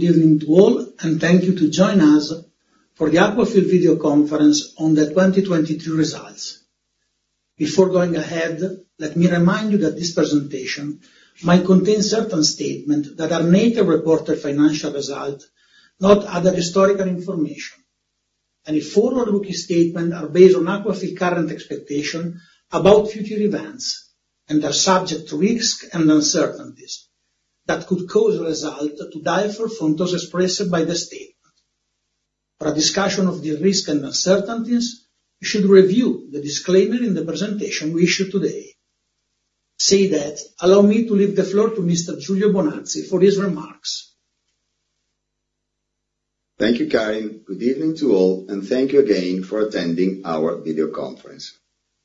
Good evening to all, and thank you to join us for the Aquafil video conference on the 2023 results. Before going ahead, let me remind you that this presentation might contain certain statement that are neither reported financial result, nor other historical information. Any forward-looking statement are based on Aquafil current expectation about future events, and are subject to risk and uncertainties that could cause a result to differ from those expressed by the statement. For a discussion of the risk and uncertainties, you should review the disclaimer in the presentation we issued today. Say that, allow me to leave the floor to Mr. Giulio Bonazzi for his remarks. Thank you, Karin. Good evening to all, and thank you again for attending our video conference.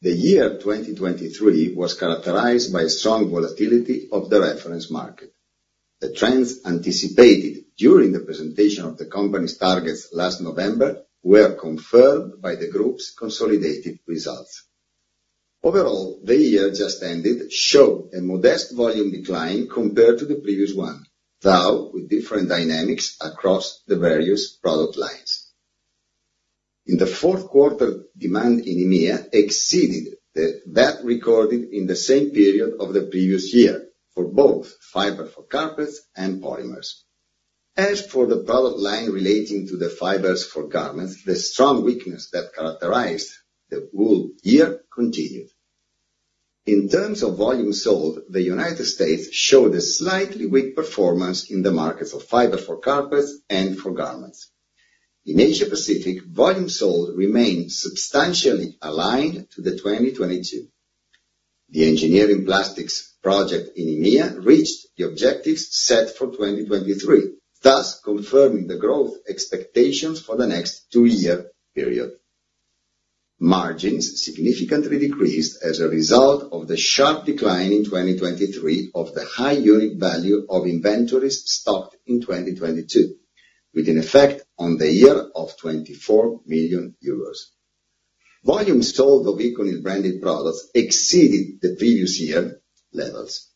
The year 2023 was characterized by strong volatility of the reference market. The trends anticipated during the presentation of the company's targets last November were confirmed by the group's consolidated results. Overall, the year just ended showed a modest volume decline compared to the previous one, though with different dynamics across the various product lines. In the fourth quarter, demand in EMEA exceeded that recorded in the same period of the previous year for both fiber for carpets and polymers. As for the product line relating to the fibers for garments, the strong weakness that characterized the whole year continued. In terms of volume sold, the United States showed a slightly weak performance in the markets of fiber for carpets and for garments. In Asia Pacific, volume sold remained substantially aligned to the 2022. The engineering plastics project in EMEA reached the objectives set for 2023, thus confirming the growth expectations for the next two-year period. Margins significantly decreased as a result of the sharp decline in 2023 of the high unit value of inventories stocked in 2022, with an effect on the year of 24 million euros. Volumes sold of ECONYL-branded products exceeded the previous year levels.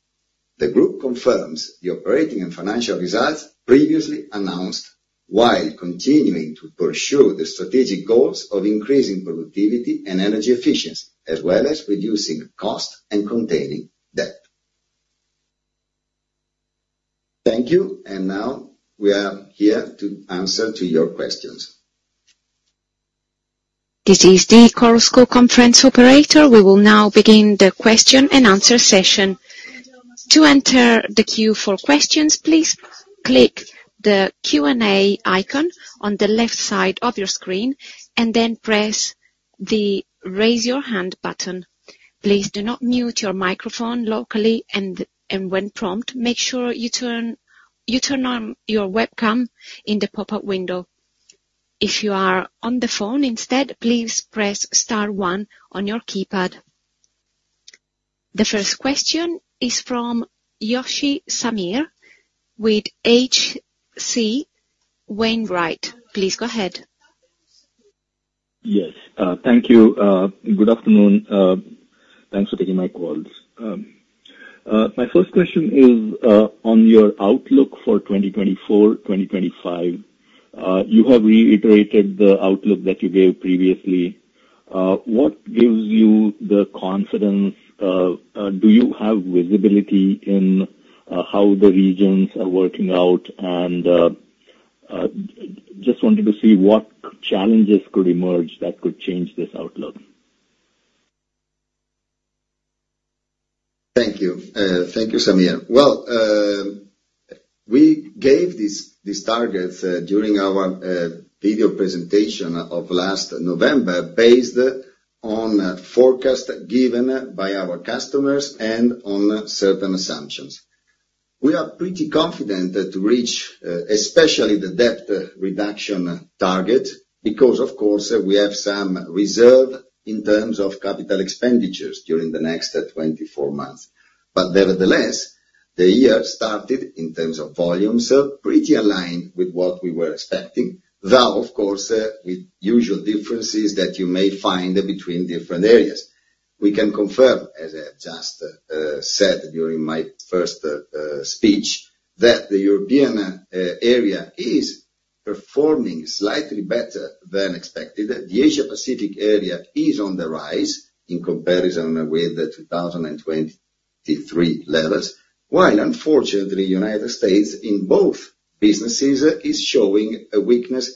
The group confirms the operating and financial results previously announced, while continuing to pursue the strategic goals of increasing productivity and energy efficiency, as well as reducing cost and containing debt. Thank you, and now we are here to answer to your questions. This is the Chorus Call conference operator. We will now begin the question and answer session. To enter the queue for questions, please click the Q&A icon on the left side of your screen, and then press the Raise Your Hand button. Please do not mute your microphone locally and, when prompted, make sure you turn on your webcam in the pop-up window. If you are on the phone instead, please press star one on your keypad. The first question is from Yoshi Samir with H.C. Wainwright. Please go ahead. Yes. Thank you. Good afternoon. Thanks for taking my calls. My first question is on your outlook for 2024, 2025. You have reiterated the outlook that you gave previously. What gives you the confidence? Do you have visibility in how the regions are working out? Just wanted to see what challenges could emerge that could change this outlook. Thank you. Thank you, Sameer. Well, we gave these targets during our video presentation of last November based on forecast given by our customers and on certain assumptions. We are pretty confident to reach especially the debt reduction target, because of course, we have some reserve in terms of capital expenditures during the next 24 months. Nevertheless, the year started in terms of volumes pretty aligned with what we were expecting, though of course, with usual differences that you may find between different areas. We can confirm, as I have just said during my first speech, that the European area is performing slightly better than expected. The Asia Pacific area is on the rise in comparison with the 2023 levels. While unfortunately, United States, in both businesses, is showing a weakness,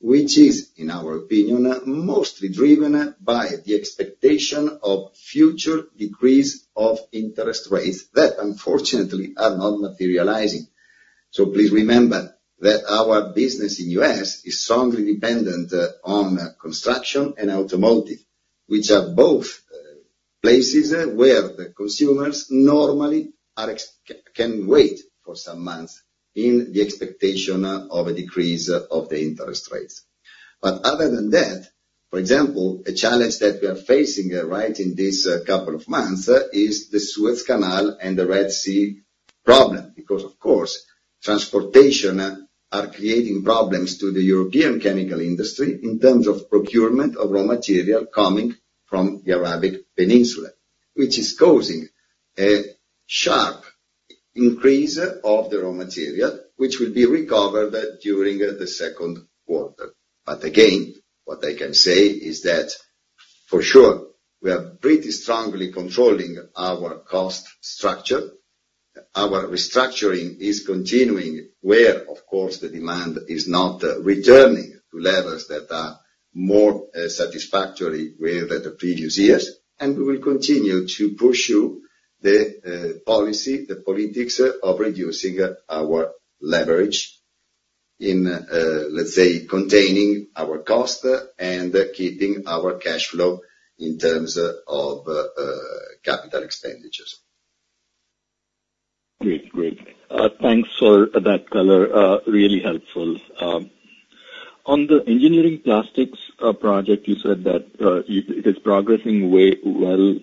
which is, in our opinion, mostly driven by the expectation of future decrease of interest rates that unfortunately are not materializing. Please remember that our business in U.S. is strongly dependent on construction and automotive, which are both places where the consumers normally can wait for some months in the expectation of a decrease of the interest rates. Other than that, for example, a challenge that we are facing right in this couple of months is the Suez Canal and the Red Sea problem. Of course, transportation are creating problems to the European chemical industry in terms of procurement of raw material coming from the Arabian Peninsula, which is causing a sharp increase of the raw material, which will be recovered during the second quarter. Again, what I can say is that, for sure, we are pretty strongly controlling our cost structure. Our restructuring is continuing where, of course, the demand is not returning to levels that are more satisfactory where the previous years, and we will continue to pursue the policy, the politics of reducing our leverage in, let's say, containing our cost and keeping our cash flow in terms of capital expenditures. Great. Thanks for that color. Really helpful. On the engineering plastics project, you said that it is progressing way well,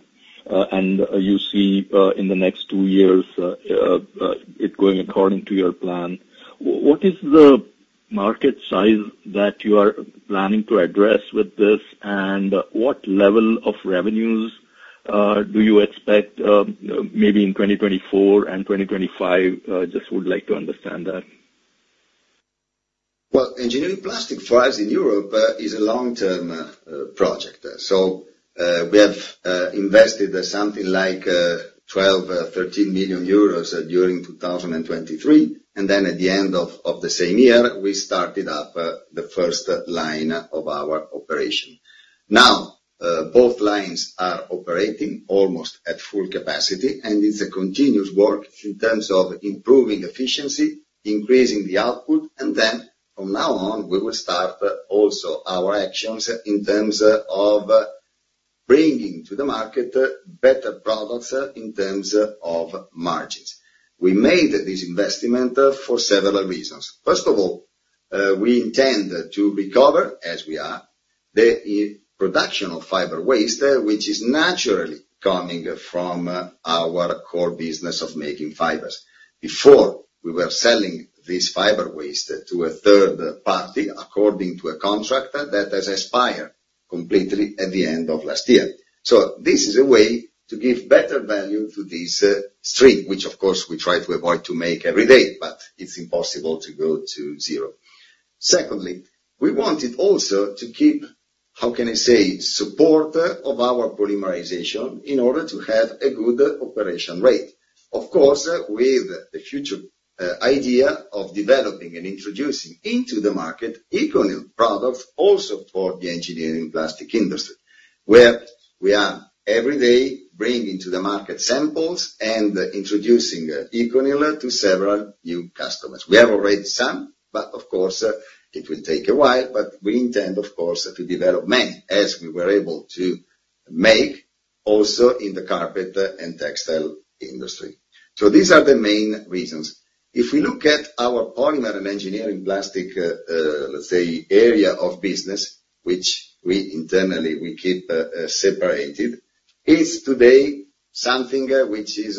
and you see in the next two years, it going according to your plan. What is the market size that you are planning to address with this, and what level of revenues do you expect maybe in 2024 and 2025? Just would like to understand that. Engineering plastic for us in Europe is a long-term project. We have invested something like €12, 13 million during 2023. At the end of the same year, we started up the first line of our operation. Both lines are operating almost at full capacity, and it's a continuous work in terms of improving efficiency, increasing the output. From now on, we will start also our actions in terms of bringing to the market better products in terms of margins. We made this investment for several reasons. First of all, we intend to recover, as we are, the production of fiber waste, which is naturally coming from our core business of making fibers. Before, we were selling this fiber waste to a third party, according to a contract that has expired completely at the end of last year. This is a way to give better value to this stream, which of course, we try to avoid to make every day, it's impossible to go to zero. Secondly, we wanted also to keep, how can I say, support of our polymerization in order to have a good operation rate. Of course, with the future idea of developing and introducing into the market ECONYL products also for the engineering plastic industry, where we are every day bringing to the market samples and introducing ECONYL to several new customers. We have already some, of course, it will take a while, we intend, of course, to develop many as we were able to make also in the carpet and textile industry. These are the main reasons. If we look at our polymer and engineering plastic, let's say, area of business, which we internally we keep separated, is today something which is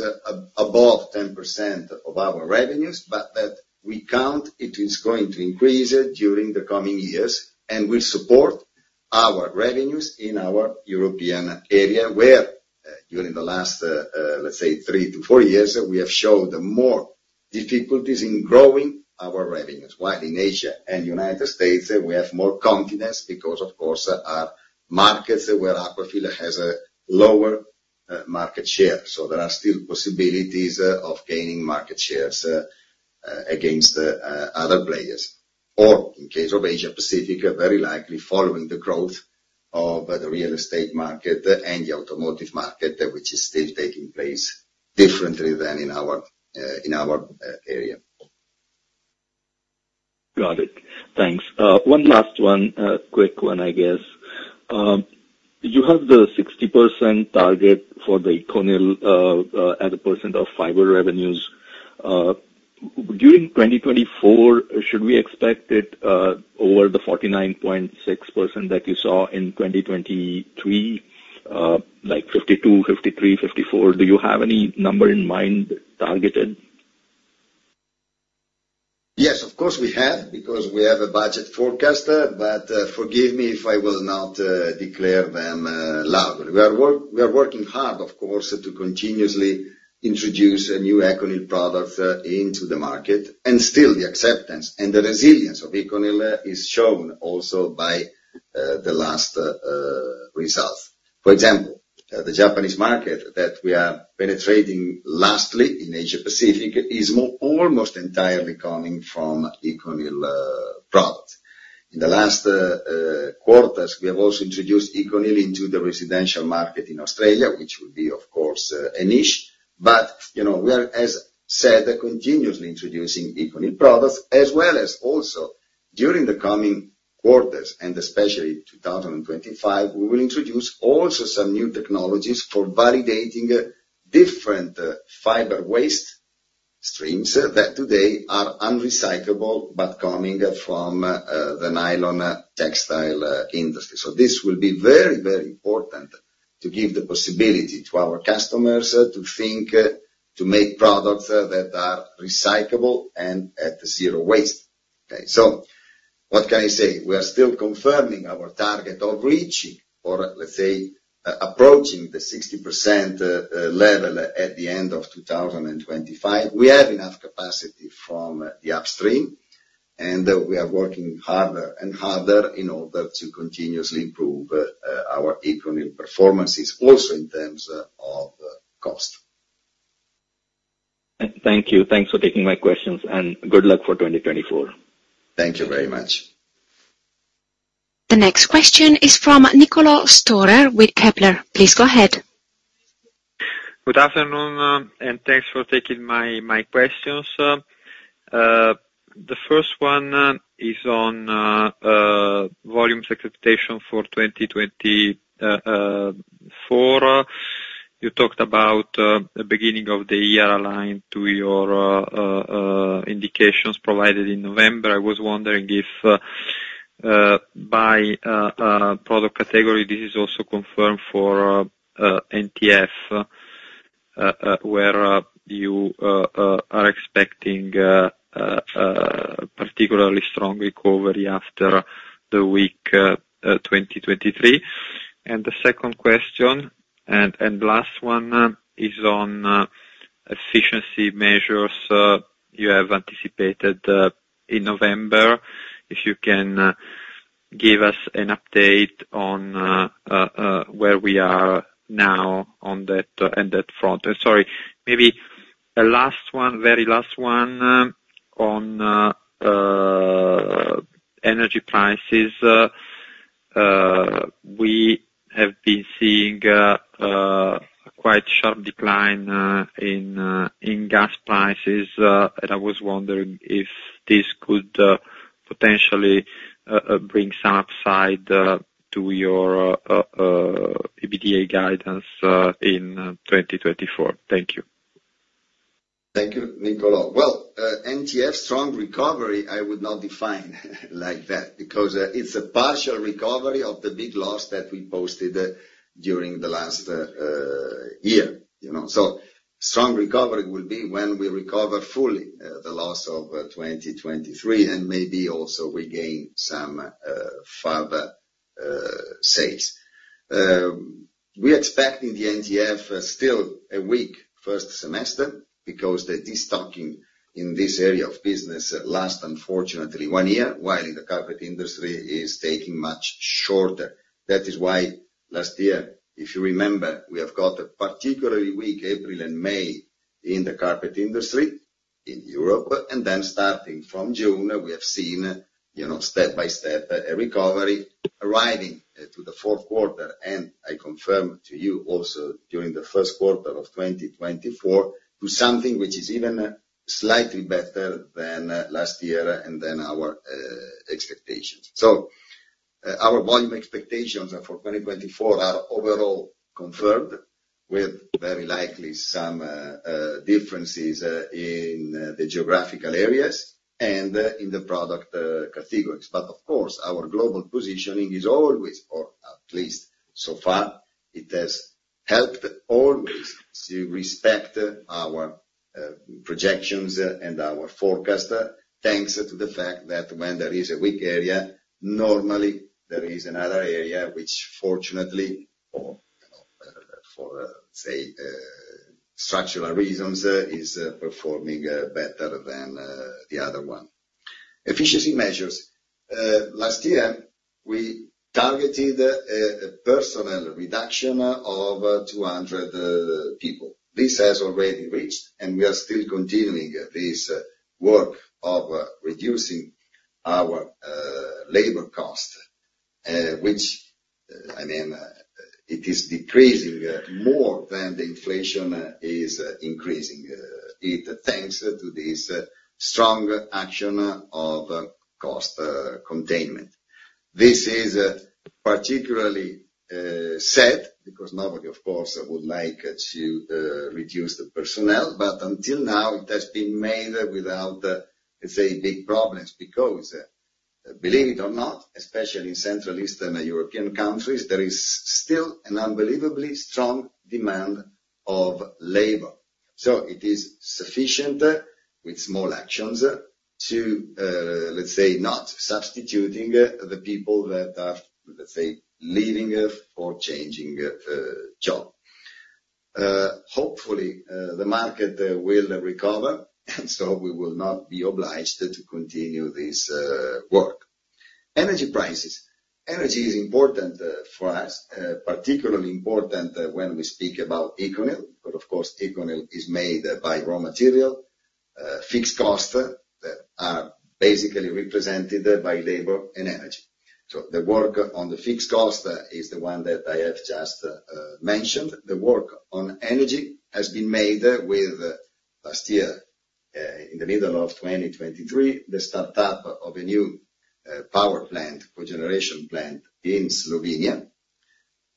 above 10% of our revenues, that we count it is going to increase during the coming years and will support our revenues in our European area, where during the last, let's say, three to four years, we have showed more difficulties in growing our revenues. While in Asia and United States, we have more confidence because, of course, are markets where Aquafil has a lower market share. There are still possibilities of gaining market shares against other players. In case of Asia Pacific, very likely following the growth of the real estate market and the automotive market, which is still taking place differently than in our area. Got it. Thanks. One last one. A quick one, I guess. You have the 60% target for the ECONYL, as a % of fiber revenues. During 2024, should we expect it over the 49.6% that you saw in 2023, like 52, 53, 54? Do you have any number in mind targeted? Yes, of course, we have, because we have a budget forecast. Forgive me if I will not declare them loud. We are working hard, of course, to continuously introduce new ECONYL products into the market, and still the acceptance and the resilience of ECONYL is shown also by the last results. For example, the Japanese market that we are penetrating lastly in Asia Pacific is almost entirely coming from ECONYL product. In the last quarters, we have also introduced ECONYL into the residential market in Australia, which will be, of course, a niche. We are, as said, continuously introducing ECONYL products, as well as also during the coming quarters, and especially 2025, we will introduce also some new technologies for validating different fiber waste streams that today are unrecyclable, but coming from the nylon textile industry. This will be very important to give the possibility to our customers to think to make products that are recyclable and at zero waste. Okay. What can I say? We are still confirming our target of reaching, or let's say, approaching the 60% level at the end of 2025. We have enough capacity from the upstream, and we are working harder and harder in order to continuously improve our ECONYL performances also in terms of cost. Thank you. Thanks for taking my questions, and good luck for 2024. Thank you very much. The next question is from Niccolo Storer with Kepler. Please go ahead. Good afternoon, thanks for taking my questions. The first one is on volumes expectation for 2024. You talked about the beginning of the year aligned to your indications provided in November. I was wondering if by product category, this is also confirmed for NTF, where you are expecting a particularly strong recovery after the weak 2023. The second question, and last one, is on efficiency measures you have anticipated in November. If you can give us an update on where we are now on that front. Sorry, maybe a very last one on energy prices. We have been seeing a quite sharp decline in gas prices, and I was wondering if this could potentially bring some upside to your EBITDA guidance in 2024. Thank you. Thank you, Niccolo. NTF strong recovery, I would not define like that because it's a partial recovery of the big loss that we posted during the last year. Strong recovery will be when we recover fully the loss of 2023, and maybe also regain some further sales. We're expecting the NTF still a weak first semester because the destocking in this area of business last, unfortunately, one year, while in the carpet industry is taking much shorter. That is why last year, if you remember, we have got a particularly weak April and May in the carpet industry in Europe. Starting from June, we have seen step by step a recovery arriving to the fourth quarter, and I confirm to you also during the first quarter of 2024, to something which is even slightly better than last year then our expectations. Our volume expectations for 2024 are overall confirmed, with very likely some differences in the geographical areas and in the product categories. Of course, our global positioning is always, or at least so far, it has helped always to respect our projections and our forecast, thanks to the fact that when there is a weak area, normally there is another area which fortunately, or for, say, structural reasons, is performing better than the other one. Efficiency measures. Last year, we targeted a personnel reduction of 200 people. This has already reached, and we are still continuing this work of reducing our labor cost, which, it is decreasing more than the inflation is increasing thanks to this strong action of cost containment. This is particularly sad because nobody, of course, would like to reduce the personnel, but until now it has been made without, let's say, big problems, because believe it or not, especially in Central Eastern European countries, there is still an unbelievably strong demand of labor. It is sufficient with small actions to, let's say, not substituting the people that are leaving or changing job. Hopefully, the market will recover, we will not be obliged to continue this work. Energy prices. Energy is important for us, particularly important when we speak about ECONYL, but of course, ECONYL is made by raw material, fixed cost are basically represented by labor and energy. The work on the fixed cost is the one that I have just mentioned. The work on energy has been made with last year, in the middle of 2023, the startup of a new power plant, cogeneration plant in Slovenia.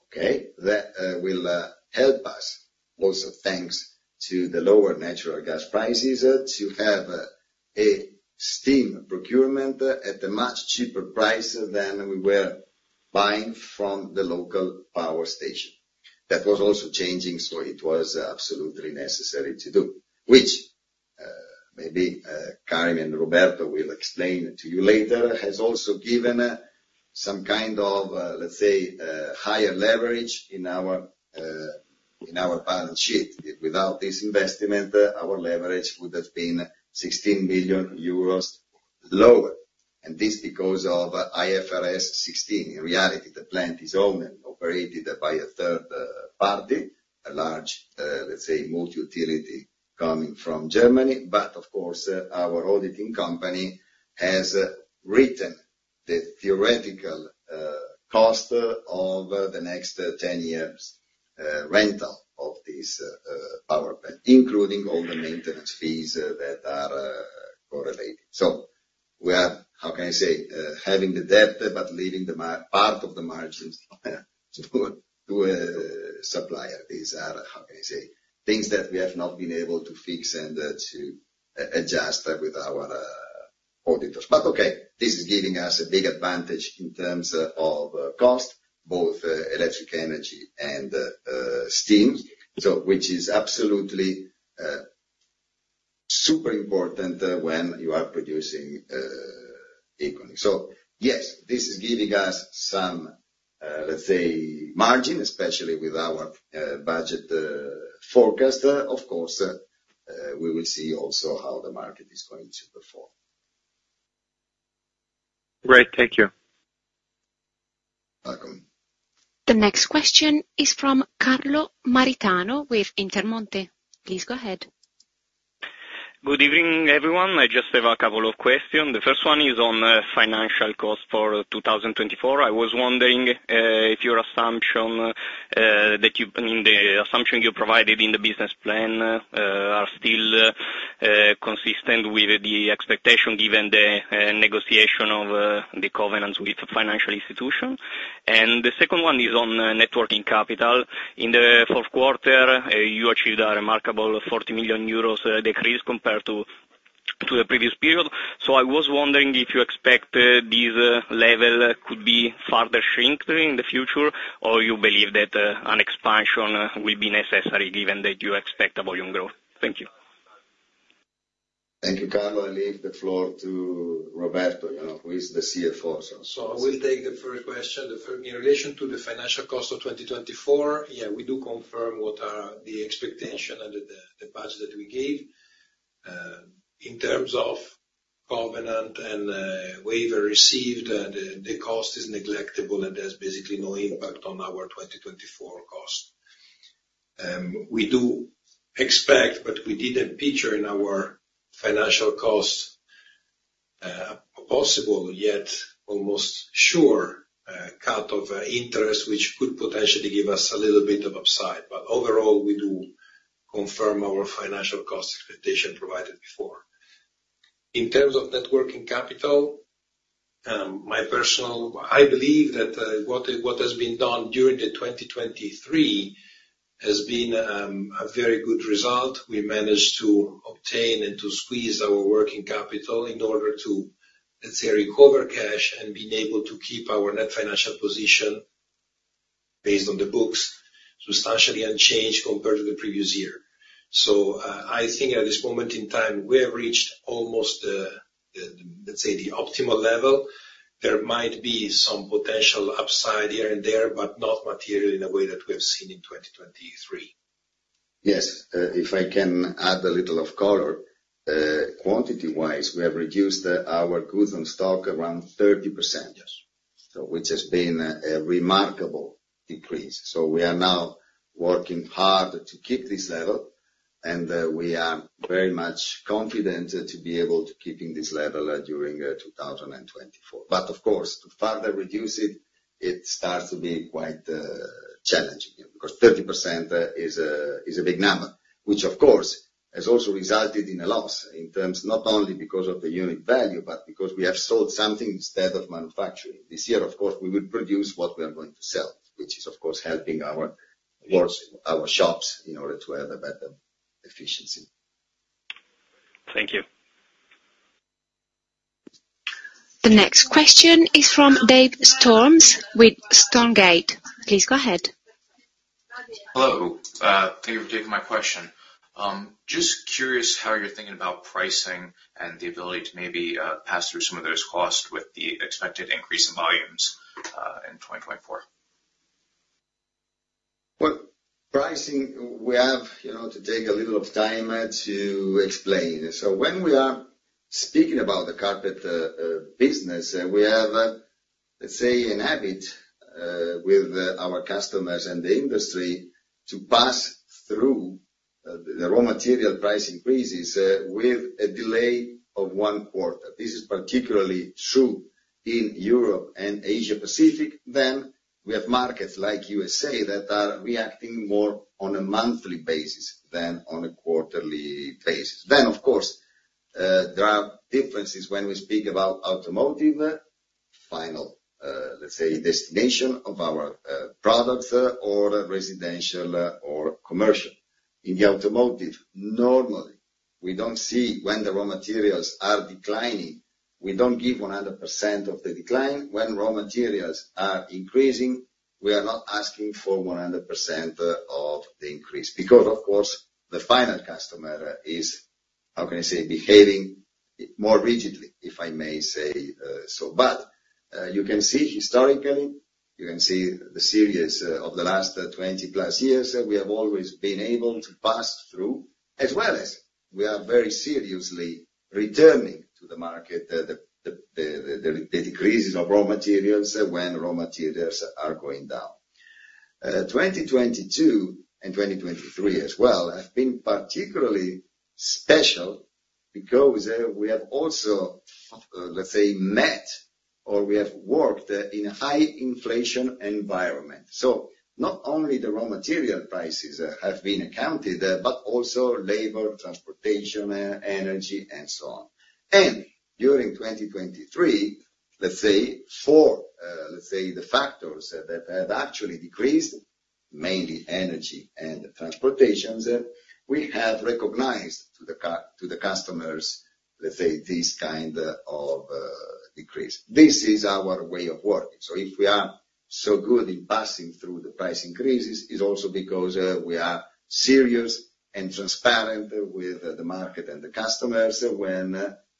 Okay. That will help us, also thanks to the lower natural gas prices, to have a steam procurement at a much cheaper price than we were buying from the local power station. That was also changing, so it was absolutely necessary to do, which maybe Karim and Roberto will explain to you later, has also given some kind of, let's say, higher leverage in our balance sheet. Without this investment, our leverage would have been 16 billion euros lower. This because of IFRS 16. In reality, the plant is owned and operated by a third party, a large, let's say, multi-utility coming from Germany. Of course, our auditing company has written the theoretical cost of the next 10 years' rental of this power plant, including all the maintenance fees that are correlated. We are, how can I say, having the debt, but leaving part of the margins to a supplier. These are, how can I say, things that we have not been able to fix and to adjust with our auditors. Okay, this is giving us a big advantage in terms of cost, both electric energy and steam. Which is absolutely super important when you are producing ECONYL. Yes, this is giving us some, let's say, margin, especially with our budget forecast. We will see also how the market is going to perform. Great. Thank you. Welcome. The next question is from Carlo Maritano with Intermonte. Please go ahead. Good evening, everyone. I just have a couple of questions. The first one is on financial cost for 2024. I was wondering if your assumption, the assumption you provided in the business plan, are still consistent with the expectation given the negotiation of the covenants with financial institution. The second one is on networking capital. In the fourth quarter, you achieved a remarkable 40 million euros decrease compared to the previous period. I was wondering if you expect this level could be further shrink during the future, or you believe that an expansion will be necessary given that you expect a volume growth. Thank you. Thank you. Carlo. I leave the floor to Roberto, who is the CFO. I will take the first question. In relation to the financial cost of 2024, we do confirm what are the expectation under the budget we gave. In terms of covenant and waiver received, the cost is negligible, and there's basically no impact on our 2024 cost. We do expect, but we didn't feature in our financial cost, a possible, yet almost sure cut of interest, which could potentially give us a little bit of upside. Overall, we do confirm our financial cost expectation provided before. In terms of networking capital, I believe that what has been done during the 2023 has been a very good result. We managed to obtain and to squeeze our working capital in order to, let's say, recover cash and being able to keep our net financial position based on the books, substantially unchanged compared to the previous year. I think at this moment in time, we have reached almost the, let's say, the optimal level. There might be some potential upside here and there, but not material in a way that we have seen in 2023. Yes. If I can add a little of color. Quantity-wise, we have reduced our goods on stock around 30%. Yes. Which has been a remarkable decrease. We are now working hard to keep this level, and we are very much confident to be able to keeping this level during 2024. Of course, to further reduce it starts to be quite challenging, because 30% is a big number. Which, of course, has also resulted in a loss in terms, not only because of the unit value, but because we have sold something instead of manufacturing. This year, of course, we will produce what we are going to sell, which is, of course, helping our shops in order to have a better efficiency. Thank you. The next question is from Dave Storms with Stonegate. Please go ahead. Hello. Thank you for taking my question. Just curious how you're thinking about pricing and the ability to maybe pass through some of those costs with the expected increase in volumes, in 2024. Pricing, we have to take a little of time to explain. When we are speaking about the carpet business, we have, let's say, an habit with our customers and the industry to pass through the raw material price increases with a delay of one quarter. This is particularly true in Europe and Asia Pacific. We have markets like USA that are reacting more on a monthly basis than on a quarterly basis. Of course, there are differences when we speak about automotive final, let's say, destination of our products or residential or commercial. In the automotive, normally We don't see when the raw materials are declining. We don't give 100% of the decline. When raw materials are increasing, we are not asking for 100% of the increase, because, of course, the final customer is, how can I say, behaving more rigidly, if I may say so. You can see historically, you can see the series of the last 20-plus years, we have always been able to pass through, as well as we are very seriously returning to the market the decreases of raw materials when raw materials are going down. 2022 and 2023 as well have been particularly special because we have also, met, or we have worked in a high inflation environment. Not only the raw material prices have been accounted, but also labor, transportation, energy, and so on. And during 2023, four, the factors that have actually decreased, mainly energy and transportations, we have recognized to the customers, this kind of decrease.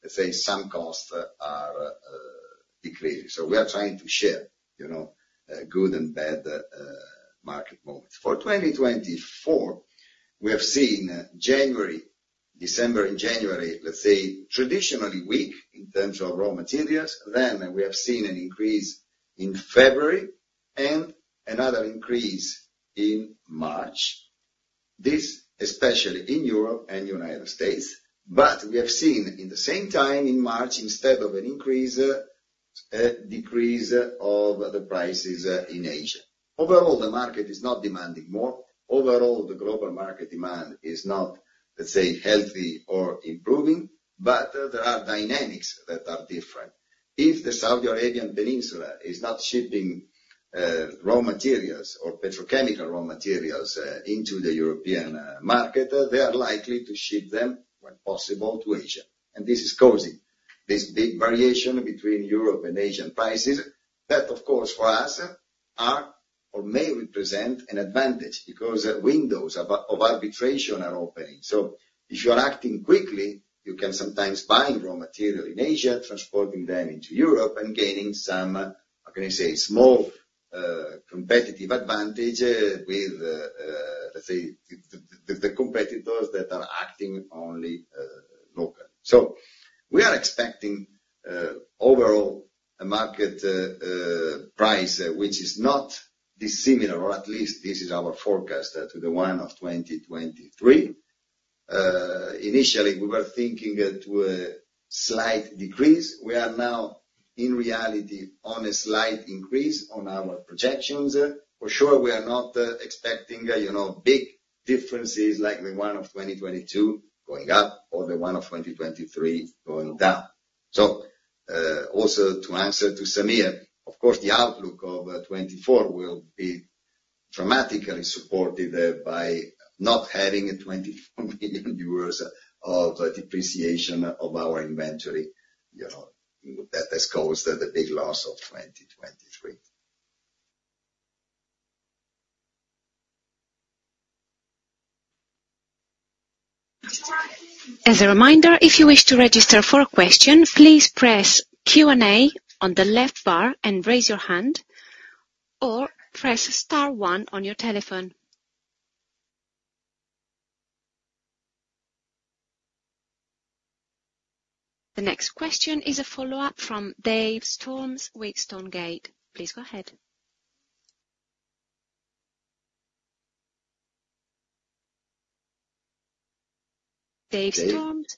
This is our way of working. If we are so good in passing through the price increases, it's also because we are serious and transparent with the market and the customers when some costs are decreasing. We are trying to share good and bad market moments. For 2024, we have seen December and January, traditionally weak in terms of raw materials. Then we have seen an increase in February and another increase in March. This especially in Europe and U.S. But we have seen in the same time in March, instead of an increase, a decrease of the prices in Asia. Overall, the market is not demanding more. Overall, the global market demand is not, healthy or improving, but there are dynamics that are different. If the Saudi Arabian Peninsula is not shipping raw materials or petrochemical raw materials into the European market, they are likely to ship them when possible to Asia. And this is causing this big variation between Europe and Asian prices. That, of course, for us are or may represent an advantage because windows of arbitration are opening. If you are acting quickly, you can sometimes buy raw material in Asia, transporting them into Europe and gaining some, how can I say, small competitive advantage with, the competitors that are acting only local. We are expecting overall a market price which is not dissimilar, or at least this is our forecast to the one of 2023. Initially, we were thinking to a slight decrease. We are now in reality on a slight increase on our projections. For sure, we are not expecting big differences like the one of 2022 going up or the one of 2023 going down. Also to answer to Sameer, of course, the outlook of 2024 will be dramatically supported by not having 24 million euros of depreciation of our inventory. That has caused the big loss of 2023. As a reminder, if you wish to register for a question, please press Q&A on the left bar and raise your hand or press star one on your telephone. The next question is a follow-up from Dave Storms with Stonegate. Please go ahead. Dave Storms,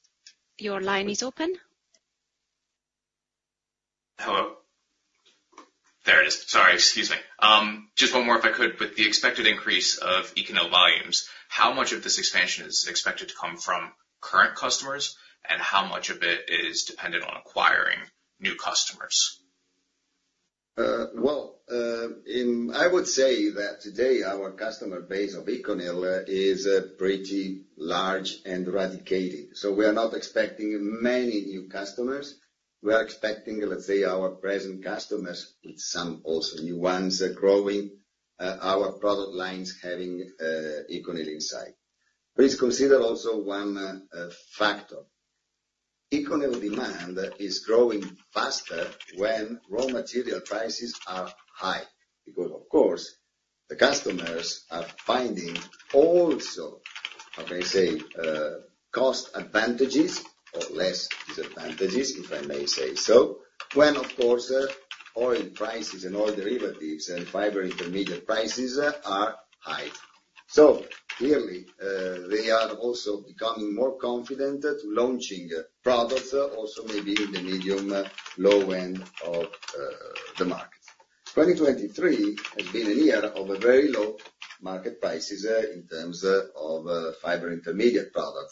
your line is open. Hello. There it is. Sorry, excuse me. Just one more if I could. With the expected increase of ECONYL volumes, how much of this expansion is expected to come from current customers, and how much of it is dependent on acquiring new customers? Well, I would say that today our customer base of ECONYL is pretty large and eradicated. We are not expecting many new customers. We are expecting, let's say, our present customers with some also new ones growing our product lines having ECONYL inside. Please consider also one factor. ECONYL demand is growing faster when raw material prices are high, because, of course, the customers are finding also, how can I say, cost advantages or less disadvantages, if I may say so, when, of course, oil prices and oil derivatives and fiber intermediate prices are high. Clearly, they are also becoming more confident to launching products also maybe in the medium low end of the market. 2023 has been a year of a very low market prices in terms of fiber intermediate product.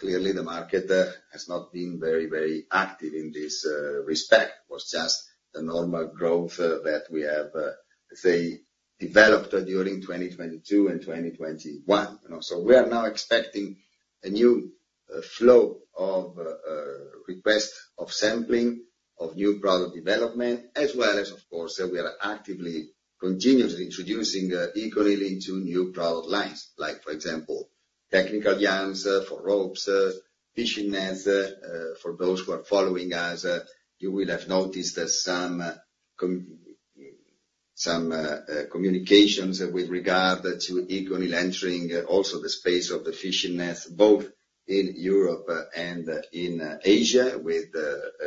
Clearly the market has not been very active in this respect. It was just the normal growth that we have, let's say developed during 2022 and 2021. We are now expecting a new flow of requests of sampling, of new product development, as well as, of course, we are actively, continuously introducing ECONYL into new product lines. Like, for example, technical yarns for ropes, fishing nets. For those who are following us, you will have noticed some communications with regard to ECONYL entering also the space of the fishing nets, both in Europe and in Asia, with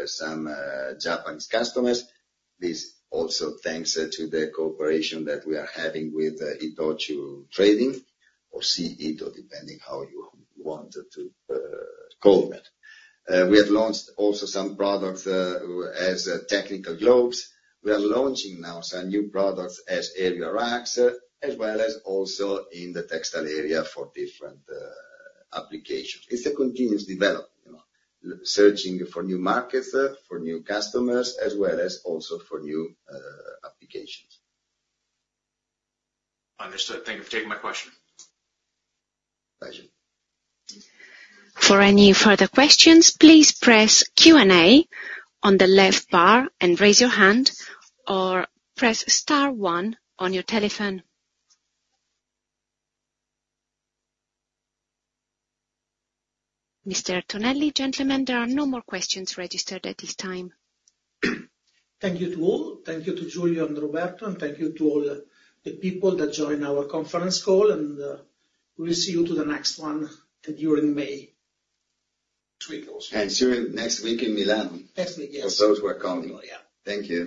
some Japanese customers. This also thanks to the cooperation that we are having with Itochu Corporation, or C-ITO, depending how you want to call that. We have launched also some products as technical gloves. We are launching now some new products as area rugs, as well as also in the textile area for different applications. It's a continuous development, searching for new markets, for new customers, as well as also for new applications. Understood. Thank you for taking my question. Pleasure. For any further questions, please press Q&A on the left bar and raise your hand, or press star one on your telephone. Mr. Tonelli, gentlemen, there are no more questions registered at this time. Thank you to all. Thank you to Giulio and Roberto. Thank you to all the people that joined our conference call. We'll see you to the next one during May next week also. During next week in Milan. Definitely, yes. For those who are coming. Oh, yeah. Thank you.